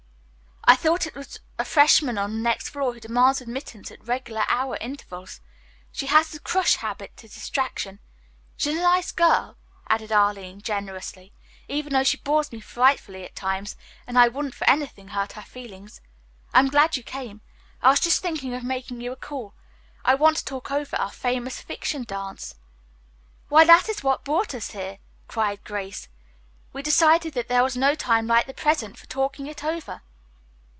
"I thought it was a freshman on the next floor who demands admittance at regular hour intervals. She has the 'crush' habit to distraction. She's a nice girl," added Arline, generously, "even though she bores me frightfully at times, and I wouldn't for anything hurt her feelings. I am glad you came. I was just thinking of making you a call. I want to talk over our Famous Fiction dance." "Why, that is what brought us here!" cried Grace. "We decided that there was no time like the present for talking it over."